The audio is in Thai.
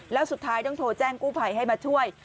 แล้วสุดท้ายต้องโทรแจ้งกู้ภัยให้มาช่วย